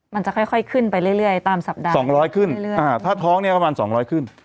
มันจะค่อยขึ้นไปเรื่อยตามสัปดาห์๒๐๐ขึ้นถ้าท้องเนี่ยประมาณ๒๐๐ขึ้น